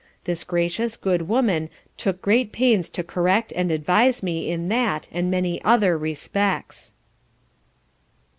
This gracious, good woman took great pains to correct and advise me in that and many other respects.